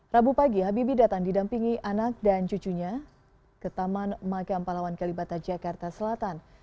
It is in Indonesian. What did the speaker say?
rabu pagi habibi datang didampingi anak dan cucunya ke taman makam palawan kalibata jakarta selatan